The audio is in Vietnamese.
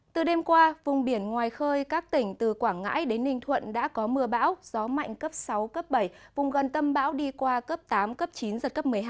gió mưa bão gió mạnh cấp sáu cấp bảy vùng gần tâm bão đi qua cấp tám cấp chín giật cấp một mươi hai